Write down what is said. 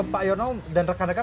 pak yono dan rekan rekan